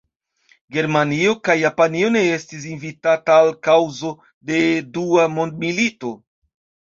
Germanio kaj Japanio ne estis invitata el kaŭzo de Dua mondmilito.